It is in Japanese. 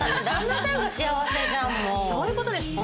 そういうことですね。